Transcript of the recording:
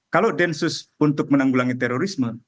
kalau densus untuk menanggulangi terorisme